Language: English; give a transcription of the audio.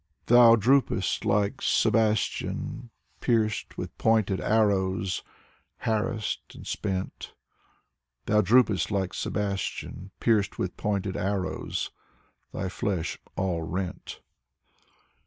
Thou droopest like Sebastian, pierced with pointed arrows, Harassed and spent, Thou droopest like Sebastian, pierced with pointed arrows. Thy flesh all rent.